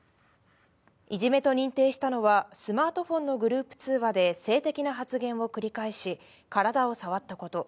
いじめと認定したのは、スマートフォンのグループ通話で性的な発言を繰り返し、体を触ったこと。